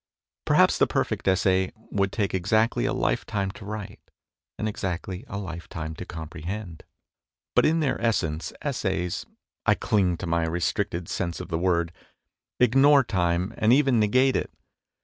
Perhaps the perfect essay would take exactly a lifetime to write and exactly a lifetime to comprehend ; but, in their essence, essays I cling to my restricted sense of the word ignore time and even negate it.